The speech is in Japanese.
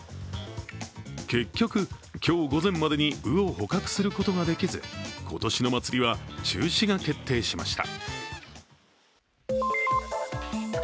結局、今日午前までに鵜を捕獲することができず、今年の祭りは中止が決定しました。